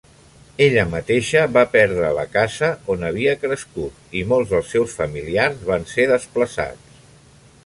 Ella mateixa va perdre la casa on havia crescut i molts dels seus familiars van ser desplaçats.